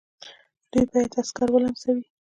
دوی باید عسکر ولمسوي.